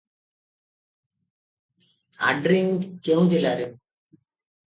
ଆଡ୍ରିଙ୍ଗ କେଉଁ ଜିଲ୍ଲାରେ?